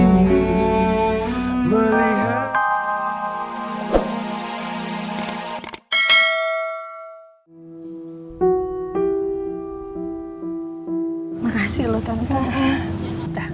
terima kasih loh tante